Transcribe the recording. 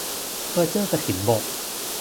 เพ้อเจ้อกฐินบก